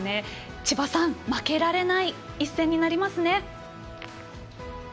千葉さん負けられない一戦になりますね。